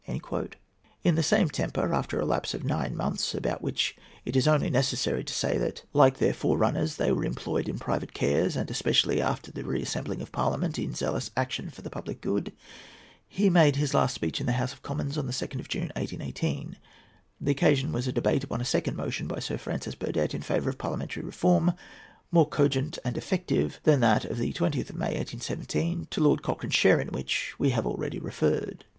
In the same temper, after a lapse of nine months, about which it is only necessary to say that, like their forerunners, they were employed in private cares, and, especially after the reassembling of Parliament, in zealous action for the public good, he made his last speech in the House of Commons on the 2nd of June, 1818. The occasion was a debate upon a second motion by Sir Francis Burdett in favour of parliamentary reform, more cogent and effective than that of the 20th of May, 1817, to Lord Cochrane's share in which we have already referred.